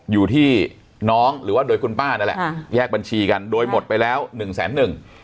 อยู่ที่น้องหรือว่าโดยคุณป้านั่นแหละแยกบัญชีกันโดยหมดไปแล้วหนึ่งแสนหนึ่ง